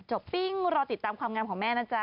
ปิ้งรอติดตามความงามของแม่นะจ๊